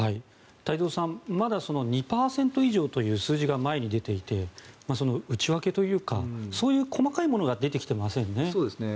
太蔵さんまだ２％以上という数字が前に出ていて、内訳というかそういう細かいものが出てきていませんね。